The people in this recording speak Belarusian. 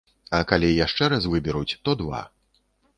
А калі яшчэ раз выберуць, то два.